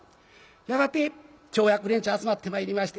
やがて町役連中集まってまいりまして。